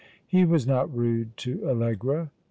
He was not rude to Allegra."